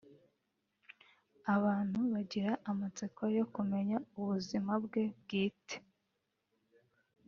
abantu bagira amatsiko yo kumenya ubuzima bwe bwite